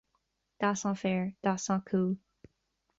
That's not fair. That's not cool.